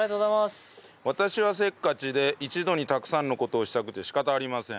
私はせっかちで一度にたくさんの事をしたくて仕方ありません。